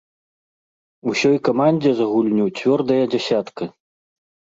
Усёй камандзе за гульню цвёрдая дзясятка.